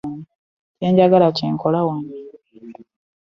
Kye njagala kye nkola wano.